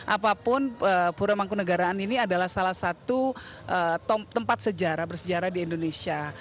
apapun pura mangkunegaraan ini adalah salah satu tempat sejarah bersejarah di indonesia